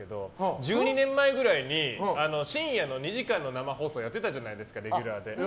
１２年前ぐらいに深夜の２時間の生放送やっていたじゃないですかレギュラーで。